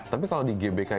tapi kalau di gbk